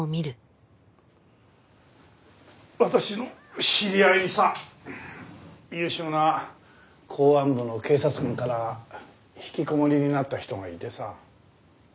私の知り合いにさ優秀な公安部の警察官からひきこもりになった人がいてさ。